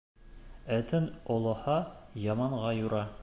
Этең олоһа, яманға юра.